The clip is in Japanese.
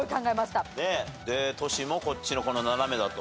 トシもこっちの斜めだと。